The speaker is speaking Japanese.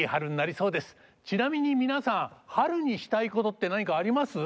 ちなみに皆さん春にしたいことって何かあります？